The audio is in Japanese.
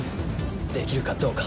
できるかどうか。